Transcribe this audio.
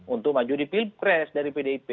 untuk maju di pilpres dari pdip